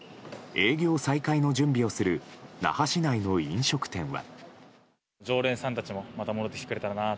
営業再開の準備をする那覇市内の飲食店は。